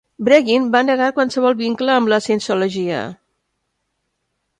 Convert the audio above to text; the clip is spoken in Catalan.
Breggin va negar qualsevol vincle amb la Cienciologia.